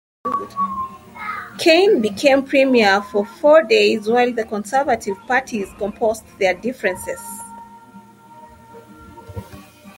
Cain became Premier for four days while the conservative parties composed their differences.